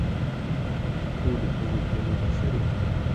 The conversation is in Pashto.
په ټولو هغو کړنو کې شریک وو.